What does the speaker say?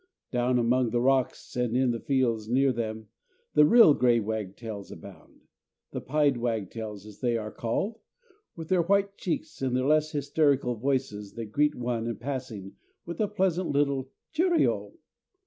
Down among the rocks and in the fields near them, the real grey wagtails abound the pied wagtails, as they are called with their white cheeks and their less hysterical voices that greet one in passing with a pleasant little "Cheerio!"